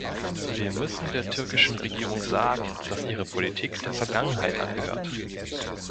Wir müssen der türkischen Regierung sagen, dass ihre Politik der Vergangenheit angehört.